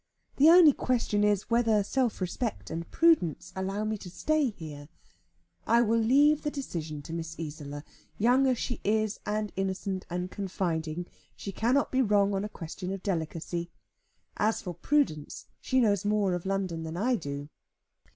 The only question is, whether self respect and prudence allow me to stay here. I will leave the decision to Miss Isola. Young as she is, and innocent and confiding, she cannot be wrong on a question of delicacy. As for prudence, she knows more of London than I do."